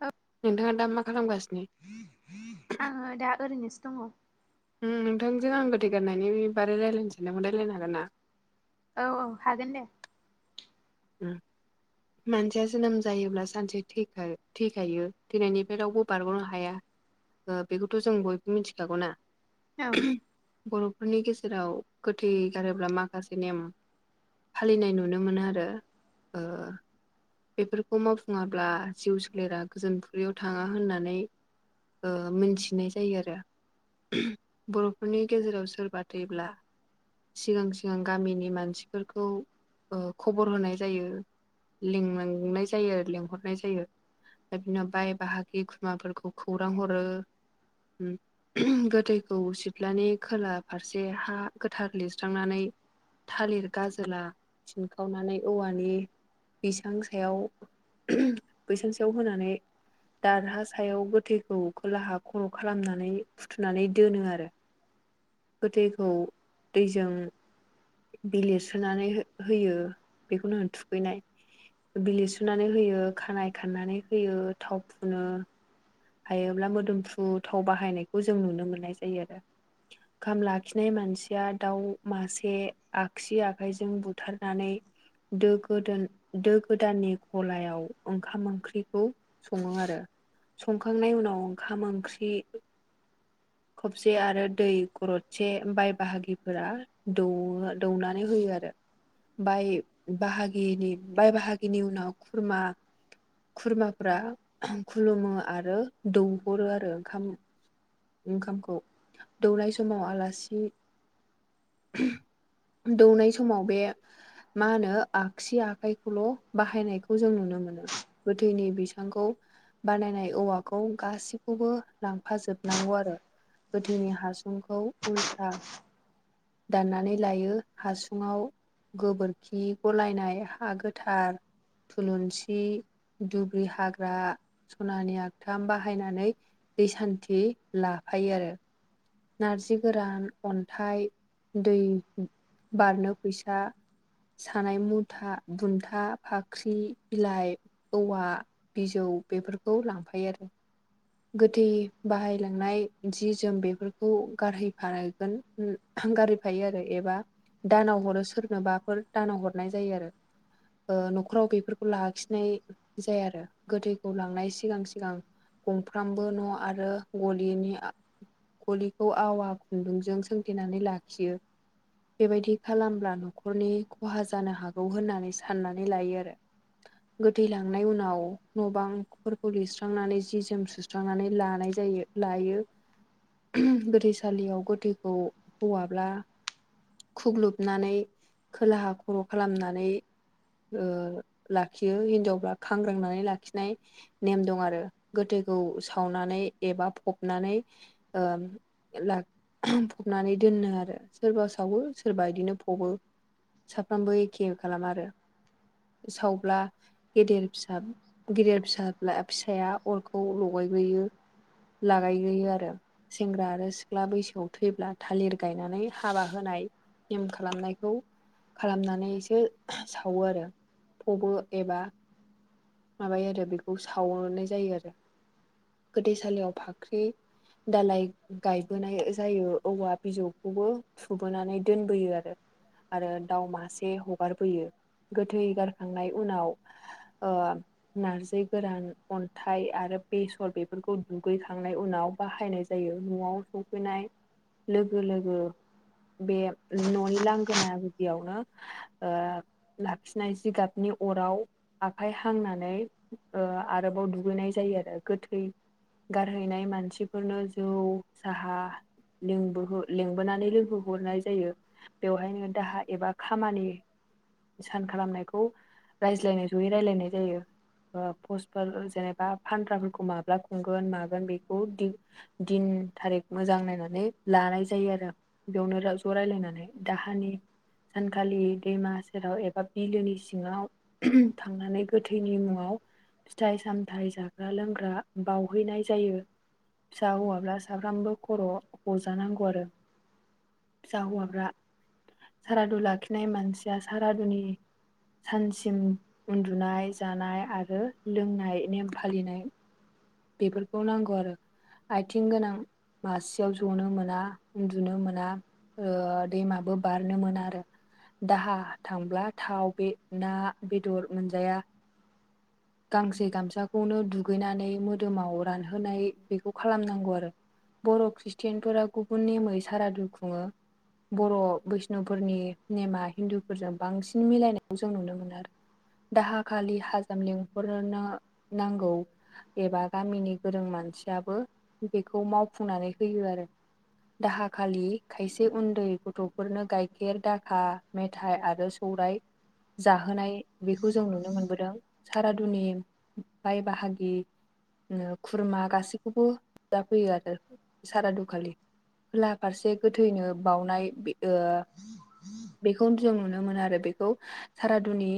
औ। नोंथाङा दा मा खालामगासिनो? आङो दा ओरैनोसो दङ। नोंथांजों आं गोथै गाननायनि बारै रायज्लायनो सानदोंमोनायलायनो हागोन ना? औ औ हागोन दे। उ मानसिया जोनोम जायोब्ला सानसे थ थैखायो थैनायनि बेलावबो बारग'नो हाया। बेखौथ' जों बयबो मिथिखागौ ना? औ बर'फोरनि गेजेराव गोथै गारोब्ला मा माखासे नेम फालिनाय नुनो मोनो आरो ओ बेफोरखौ मावफुङाब्ला जिउ सोलेरा गोजोनफुरियाव थाङा होननानै ओ मिथिनाय जायो आरो बर'फोरनि गेजेराव सोरबा थैब्ला सिगां सिगां गामिनि मानसिफोरखौ खबर होनाय जायो। लिंनाय जायो आरो लिंहरनाय जायो। बिनाव बाय बाहागि खुमाफोरखौ खौरां हरो। गोदैखौ सिथ्लानि खोला फारसे हा गोथार लिरस्रांनानै थालिर गाजोला थिनखावनानै औवानि बिसां सायाव बैसां सायाव होनानै दारहा सायाव गोथैखौ खोलाहा खर' खालामनानै फुथुनानै दोनो आरो। गोथैखौ दैजों बिलिर सोनानै होयो बेखौनो थुखैनाय बिलि सुनानै होयो खानाइ खाननानै होयो थाव फुनो हायोब्ला मोदोमफ्रु थाव बाहायनायखौ जों नुनो मोननाय जायो। ओंखाम लाखिनाय मानसिया दाउ मासे आगसि आखाइजों बुथारनानै दो गोदोन दो गोदाननि गलायाव ओंखाम ओंख्रिखौ सङो आरो। संखांनायनि उनाव ओंखाम ओंख्रि खबसे आरो दै गरदसे बाय बाहागिफोरा दौ दौनानै होयो आरो। बाय बाहागिनि बाय बाहागिनि उनाव खुरमा खुरमाफ्रा खुलुमो आरो दौहरो आरो। ओंखाम ओंखामखौ दौनाय समाव आलासि दौनाय समाव बे मा होनो आगसि आ आखाइखौल' बाहायनायखौ जों नुनो मोनो गोथैनि बिसांखौ बानायनाय औवाखौ गासिब खौबो लांफाजोबनांगौ आरो गोथैनि हासुंखौ उल्था दाननानै लायो हासुङाव गोबोरखि गलायनाय हा गोथार थुलुंसि दुब्रि हाग्रा सनानि थाम बाहायनानै दै सान्थि लाफायो आरो। नार्जि गोरान अन्थाइ दै बारनो फैसा सानाय मुथा बुन्था फाख्रि बिलाइ औवा बिजौ बेफोरखौ लांफायो आरो गोथै बाहाय नाय जि जोम बेफोरखौ गारहैफागोन गारहैफायो आरो एबा दानाव हरो सोरनोबाफोर दानाव हरनाय जायो आरो। न'खराव बेफोरखौ लाखिनाय जाया आरो गोथैखौ लांनाय सिगां सिगां गंफ्रामबो न' आरो गलिनि गलिखौ आवा खुन्दुंजों सोंथेनानै लाखियो। बेबायदि खालामब्ला न'खरनि खहा जानो हागौ होननानै साननानै लायो आरो। गोथै लांनाय उनाव न' बांफोरखौ लिरस्रांनानै जि ज जोम सुस्रांनानै लानाय जायो लायो गोथैसालियाव गोथै खौ हौवाब्ला खुग्लुबनानै खोलाहा खर' खालामनानै ओ लाखियो हिनजावब्ला खांग्रांनानै लाखि नाय नेम दं आरो गोथैखौ सावनानै एबा फबनानै ओ ला फबनानै दोनो आरो सोरबा सोर सावो सोरबा इदिनो फबो साफ्रामबो एखे खालामा आरो। सावब्ला गेदेर फिसा गेदेर फिसाला फिसाया अरखौ लगायग्रोयो लागायग्रोयो आरो सेंग्रा आरो सिख्ला बैसोआव थैब्ला थालिर गायनानै हाबा होनाय नेम खालामनायखौ खालामनानैसो सावो आरो फबो एबा माबायो आरो बेखौ सावोनाय जायो आरो गोथैसालियाव फाख्रि दालाय गायबोनाय जायो औवा बिजौखौबो थुबोनानै दोनबोयो आरो। आरो दाउ मासे हगारबोयो गोथै गारखांनाय उनाव ओ नार्जि गोरान अन्थाइ आरो बेसर बेफोरखौ दुगैखांनाय उनाव बाहायनाय जायो न'आव सफैनाय लोगो लोगो बे न'नि लांगोना गुदियावनो ओ लाखिनाय जिगाबनि अराव आखाइ हांनानै ओ आरोबाव दुगैनाय जायो आरो गोथै गारहैनाय मानसिफोरनो जौ साहा लिंबो-लिंबोनानै लों होहरनाय जायो बेवहायनो दाहा एबा खामानि सान खालामनायखौ रायज्लायनाय जयै रायलायनाय जायो। ओ पस्टफोर जेनेबा फान्द्राफोरखौ माब्ला खुंगोन मागोन बेखौ दिन थारिख मोजां नायनानै लानाय जायो आरो। बेयावनो ज' रायलायनानै दाहानि सानखालि दैमा सेराव एबा बिलोनि सिङाव थांनानै गोथैनि मुङाव फिथाइ सामथायाइ जाग्रा लोंग्रा बावहैनाय जायो फिसा हौवाब्ला साफ्रामबो खर' हजानांगौ आरो। फिसा हौवाफ्रा सारादु लाखिनाय मानसिया सारादुनि सानसिम उन्दुनाय जानाय आरो लोंनाय नेम फालिनाय बेफोरखौ नांगौ आरो आथिं गोनां मासेयाव जनो मोना उन्दुनो मोना ओ दैमाबो बारनो मोना आरो दाहा थांब्ला थाव बे ना बेदर मोनजाया गांसे गामसाखौनो दुगैनानै मो दोमाव रानहोनाय बेखौ खालामनांगौ आरो। बर' खृष्टियानफोरा गुबुननेमै सारादु खुंङो। बर' बैष्नुफोरनि नेमा हिन्दुफोरजों बांसिन मिलायनायखौ जों नुनो मोनो आरो। दाहा खालि हाजाम लिंहरनो नांगौ एबा गामिनि गोरों मानसियाबो बेखौ मावफुंनानै होयो आरो‌। दाहाखालि खायसे उन्दै गथ'फोरनो गाइखेर दाखा मेथाइ आरो सौराय जाहोनाय बेखौ जों नुनो मोनबोदों सारादुनि बाय बाहागि खुरमा गासैखौबो जाफैयो आरो सारादुखालि खोला फारसे गोथैनो बावउनाय ओ बेखौ जों नुनो मोनो आरो बेखौ सारादुनि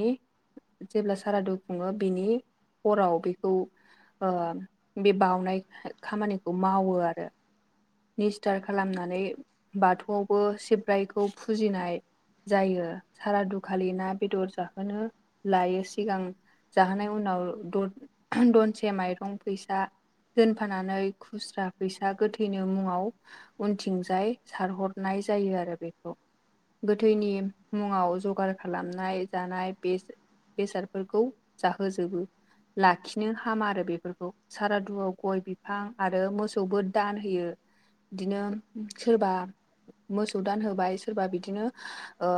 जेब्ला सारादु खुंङो बिनि हराव बेखौ ओ बे बावनाय खामानिखौ मावो आरो। निस्थार खालामनानै बाथौआवबो सिब्रायखौ फुजिनाय जायो सारादुखालि ना बेदर जाहोनो लायो सिगां जाहोनाय उनाव दथ दनसे माइरं फैसा दोनफानानै खुस्रा फैसा गोथै मुंङाव उनथिंजाय सारहरनाय जायो आरो बेखौ। गोथैनि मुंङाव जगार खालामनाय जानाय बेस बेसादफोरखौ जाहोजोबो लाखिनो हामा आरो बेफोरखौ सारादुआव गय बिफां आरो मोसौबो दान होयो इदिनो सोरबा मोसौ दान होबाय सोरबा बिदिनो ओ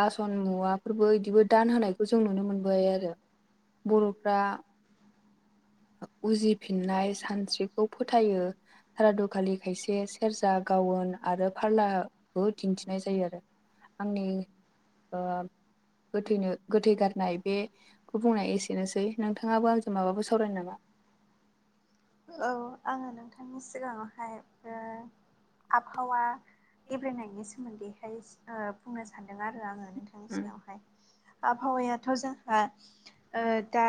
बासन मुवाफोरबो बिदिबो दान होनायखौ जों नुनो मोनबाय आरो। बर'फ्रा उजिफिननाय सानस्रिखौ फोथायो सारादुखालि खायसे सेरजा गावन आरो फारलाबो दिन्थिनाय जायो आरो। आंनि ओ गैथैनो गोथै गारनाय बेखौ बुंनाय एसेनोसै नोंथांङाबो आंजों माबो सा सावरायनो नामा? औ आंङो सिगांङावहाय ओ आबहावा गेब्रेंनायनि सोमोन्दैहाय ओ बुंनो सान्दों आरो आंङो। थांनि सिगांहाय आबहावायाथ' जोंहा ओ दा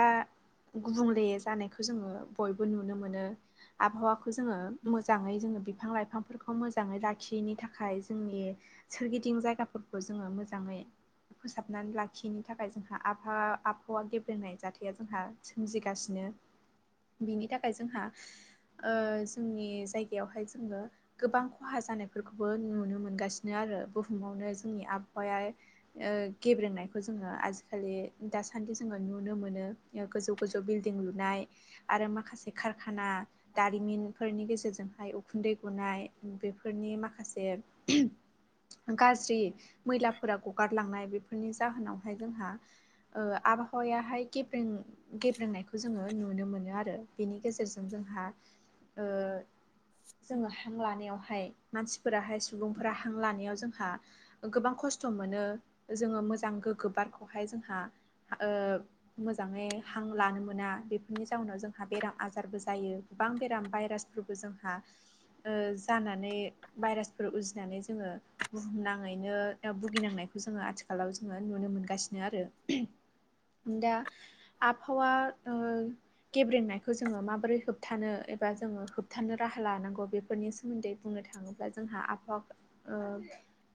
गुबुंले जानायखौ जोंङो बयबो नुनो मोनो। आबहावाखौ जोंङो मोजाङै जोंङो बिफां लाइफांफोरखौ मोजांङै लाखियैनि थाखाय जोंनि सोरगिदिं जायगाफोरखौ जोङो मोजांङै फोसाबनानै लाखियैनि थाखाय जोंहा आबहावा आबहावा गेब्रेंनाय जाथाया जोंहा सोमजिगासिनो बिनि थाखाय जोंहा ओ जोंनि जायगायावहाय जोंङो गोबां खहा जानायफोरखौबो नुनो मोनगासिनो आरो बुहुमावनो जोंनि आबहावाया ओ गेब्रेनायखौ जोंङो आजिखालि दासान्दि जोंङो नुनो मोनो। गोजौ गोजौ बिल्डिं लुनाय आरो मा कारखाना दारिमिनफोरनि गेजेरजोंहाय उखुन्दै गुनाय बेफोरनि माखासे गाज्रि मैलाफोरा गगारलांनाय बेफोरनि जाहोनावहाय जोंहा ओ आबहावायावहाय गेब्रें गेब्रेंनायखौ जोंङो नुनो मोनो आरो। बिनि गेजेरजों जोंहा ओ जोङो हां लानायावहाय मानसिफोराहाय सुबुंफोरा हां लानायाव जोंहा गोबां खस्थ' मोनो जोङो मोजां गोग्गो बारखौहाय जोंहा ओ मोजाङै हां लानो मोना बेफोरनि जाउनाव जों जोंहा बेराम आजारबो जायो गोबां बेराम भाइरासफोरबो जोंहा ओ जानानै भाइरासफोर उजिनानै जोङो बुहुमनाङैनो भुगिनांनायखौ जोङो आथिखालाव जोङो नुनो मोनगासिनो आरो। दा आबहावा ओ गेब्रेंनायखौ जोङो माबोरै होबथानो एबा जोङो होबथानो राहा लानांगौ बेफोरनि सोमोन्दै बुंनो थाङोब्ला जोंहा आबहावा ओ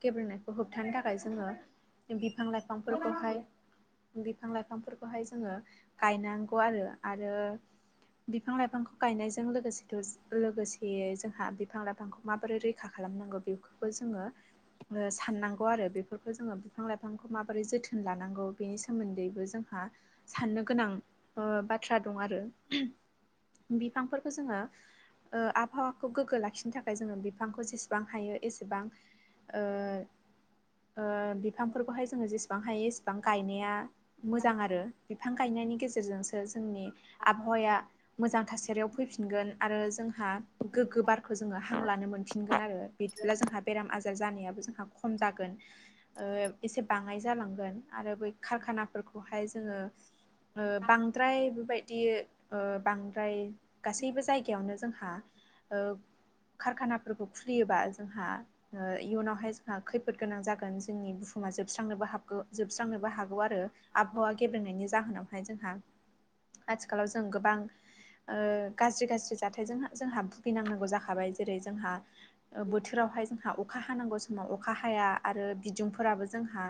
गेब्रेंनायखौ होबथानो थाखाय जोङो बिफां उम। लाइफांफोरखौहाय बिफां लाइफांफोरखौहाय जोङो गायनांगौ आरो आरो बिफां लाइफांखौ गायनायजों लोगोसेथ' लोगोसेयै जोंहा बिफां लाइफांखौ माबोरै रैखा खालामनांगौ बेखौबो जोङो साननांगौ आरो बेफोरखौ जोङो बिफां लाइफांखौ माबोरै जोथोन लानांगौ बेनि सोमोन्दैबो जोंहा साननो गोनां बाथ्रा दं आरो। बिफांफोरखौ जोङो ओ आबहावाखौ गोग्गो लाखिनो थाखाय जोङो बिफांखौ जेसेबां हायो एसेबां ओ ओ बिफांफोरखौहाय जोङो जेसेबां बेसेबां हायो इसेबां गायनाया मोजां आरो बिफां गायनायनि गेजेरजों जोंनि आबहावाया मोजां थासारियाव फैफिनगोन आरो जोंहा गोग्गो बारखौ जोङो हां लानो मोनफिनगोन आरो। बिदिब्ला जोंहा बेराम आजार जानायाबो जोंहा खम जागोन। ओ एसे बाङाय जालांगोन आरो बै खारखानाफोरखौहाय जोङो ओ बां बांद्राय बेबायदि ओ बांद्राय गासैबो जायगायावनो जोंहा ओ कारखानाफोरखौ खुलियोबा जोंहा ओ इयुनावहाय जोंहा खैफोद गोनां जागोन जोंनि बुहुमा जोबस्रांनोबो हाबगो जोबस्रांनोबो हा गौ आरो आबहावा गेब्रेंनायनि जाहोनावहाय जोंहा आथिखालाव जों गोबां ओ गाज्रि गाज्रि जाथायजों जोंहा भुगिनांनांगौ जाखाबाय जेरै जोंहा बोथोरावहाय जोंहा अखा हानांगौ समाव अखा हाया आरो बिदुंफोराबो जोंहा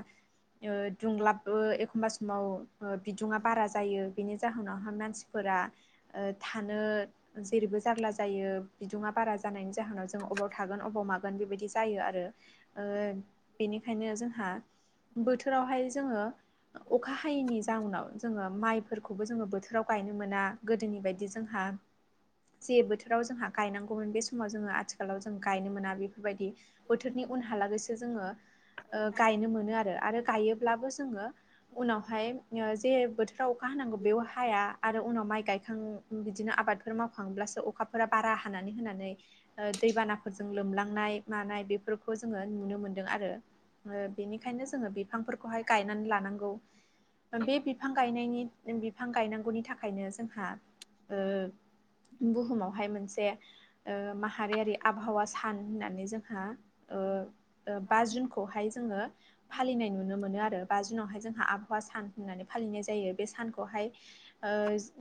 ओ दुंलाब एखमबा समाव बिदुङा बारा जायो बिनि जाहोनावहाय मानसिफोरा ओ थानो जेरैबो जारला जायो बिदुङा बारा जानायनि जाहोनाव जों अबाव थागोन अबाव मागोन बेबायदि जायो आरो ओ बेनिखायनो जोंहा बोथोरावहाय जोङो अखा हायैनि जाउनाव जोङो माइ फोरखौबो जोङो बोथोराव गायनो मोना गोदोनि बायदि जोंहा जे बोथोराव जोंहा गायनांगौमोन बे समाव जोङो आथिखालाव जों गायनो मोना बे फोरबायदि बोथोरनि उनहालागै जोङो ओ गायनो मोनो आरो आरो गायो। अब्लाबो जोङो उनावहाय जे बोथोराव नांगौ बेयाव हाया आरो उनाव माइ गायखां बिदिनो आबादफोर मावखांब्लासो अखा फोरा बारा हानानै होनानै दैबानाफोरजों लोमलांनाय मानाय बेफोरखौ जोङो नुनो मोनदों आरो। ओ बेनिखायनो जोङो बिफांफोरखौहाय गायनानै लानांगौ। बे बिफां गायनायनि जों बिफां गायनांगौनि थाखायनो जोंहा ओ बुहुमावहाय मोनसे ओ माहारियारि आबहावा सान होननानै जोंहा ओ ओ बा जुनखौहाय जोङो फालिनाय नुनो मोनो आरो। बा जुनावहाय जोंहा आबहावा सान होननानै फालिनाय जायो बे सानखौहाय ओ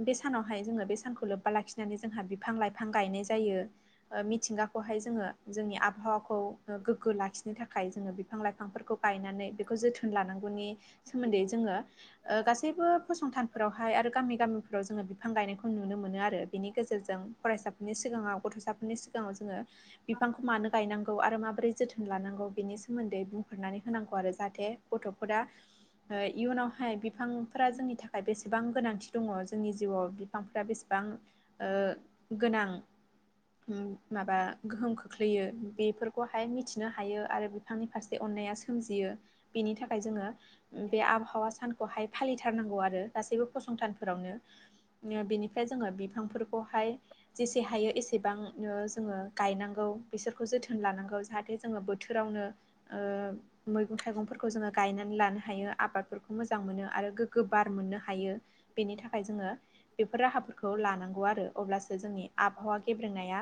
बे सानावहाय जोङो बे सानखौ लोब्बा लाखिनानै जोंहा बिफां-लाइफां गायनाय जायो। मिथिंगाखौहाय जोङो जोंनि आबहावाखौ ओ गोग्गो लाखिनो थाखाय जोङो बे बिफां-लाइफांफोरखौ गायनानै बेखौ जोथोन लानांगौनि सोमोन्दै जोङो ओ गासैबो फसंथान फोरावहाय आरो गामि-गामिफ्राव जोङो बिफां गायनायखौ नुनो मोनो आरो। बेनि गेजेरजों फरायसा- सिगाङाव गथ'साफोरनि सिगाङाव जोङो बिफांखौ मानो गायनांगौ आरो माबोरै जोथोन लानांगौ बेनि सोमोन्दै बुंफोरनानै होनांगौ आरो जाहाथे गथ'फोरा ओ इयुनावहाय बिफांफोरा जोंनि थाखा- खाय बेसेबां गोनांथि दङ जोंनि जिउआव बिफांफ्रा बेसेबां ओ गोनां। उम माबा गोहोम खोख्लैयो बेफोरखौहाय मिथिनो हायो आरो बिफांनि फारसे अन्नाया सोमजियो बेनि थाखाय जोङो बे आबहावा सान- खौहाय फालिथारनांगौ आरो गासैबो फसंथानफोरावनो। बिनिफ्राय जोङो बिफांफोरखौहाय। जेसे हायो एसेबांनो जोङो गायनांगौ बिसोरखौ जोथोन लानांगौ। जाहाथे जोङो बोथोरावनो ओ। मैगं-थाइगंफोरखौ जोङो गायनानै लानो हायो आबादफोरखौ मोजां मोनो आरो गोग्गो बार मोननो- हायो बेनि थाखाय जोङो बेफोर राहाफोरखौ लानांगौ। औ आरो अब्लासो जोंनि आबहावा गेब्रेंनाया